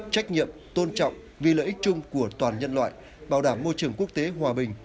trách nhiệm tôn trọng vì lợi ích chung của toàn nhân loại bảo đảm môi trường quốc tế hòa bình